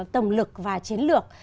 tổng lực và chiến lược